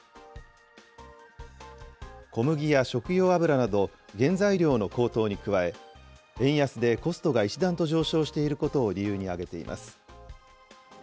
小麦や食用油など、原材料の高騰に加え、円安でコストが一段と上昇していることを理由に挙げています。